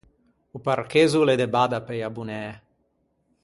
O parchezzo o l’é de badda pe-i abbonæ.